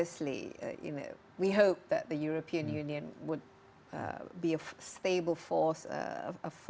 salah satu tujuan dari uni eropa adalah